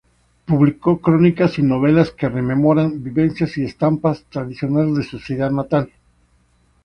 Publicó crónicas y novelas que rememoran vivencias y estampas tradicionales de su ciudad natal.